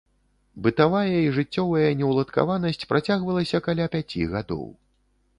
Бытавая і жыццёвая неўладкаванасць працягвалася каля пяці гадоў.